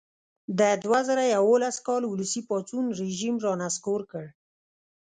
د دوه زره یوولس کال ولسي پاڅون رژیم را نسکور کړ.